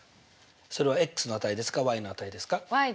それはの値ですかの値でです。